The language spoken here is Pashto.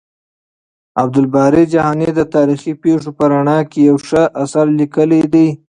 عبدالباري جهاني د تاريخي پېښو په رڼا کې يو ښه اثر ليکلی دی.